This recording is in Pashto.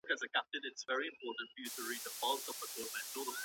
ايا حکومت مرييان او مينځې ازادوي؟